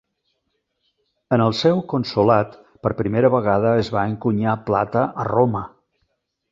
En el seu consolat, per primera vegada es va encunyar plata a Roma.